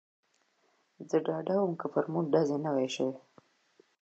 زه ډاډه ووم، که پر موږ ډزې نه وای شوې.